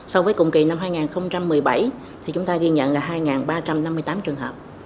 so với cùng kỳ năm hai nghìn một mươi bảy thì chúng ta ghi nhận là hai ba trăm năm mươi tám trường hợp